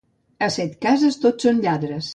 A Setcases tots són lladres.